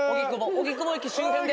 荻窪駅周辺で。